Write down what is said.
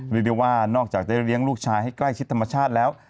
เรียกได้ว่านอกจากได้เลี้ยงลูกชายให้ใกล้ชิดธรรมชาติแล้ว